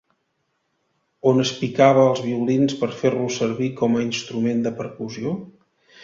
On es picava als violins per fer-los servir com a instrument de percussió?